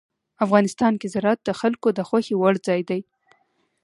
افغانستان کې زراعت د خلکو د خوښې وړ ځای دی.